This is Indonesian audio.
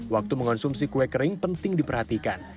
waktu mengonsumsi kue kering penting diperhatikan